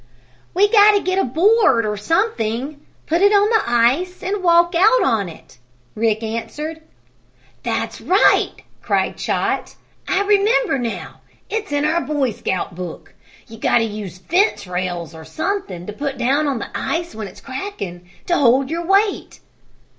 "We got to get a board or something put it on the ice and walk out on it!" Rick answered. "That's right!" cried Chot. "I remember now! It's in our Boy Scout book. You got to use fence rails, or something to put down on the ice when it's cracking, to hold your weight.